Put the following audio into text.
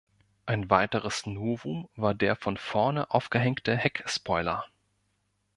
Ein weiteres Novum war der von vorne aufgehängte Heckspoiler.